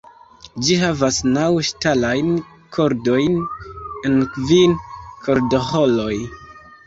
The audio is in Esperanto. Ĝi havas naŭ ŝtalajn kordojn en kvin kordoĥoroj.